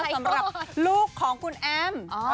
สำหรับลูกของคุณแอม